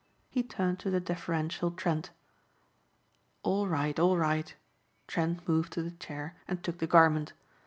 He turned to the deferential Trent. "All right, all right," Trent moved to the chair and took the garment.